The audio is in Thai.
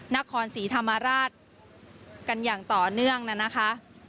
นครศรีธรรมราชกันอย่างต่อเนื่องน่ะนะคะ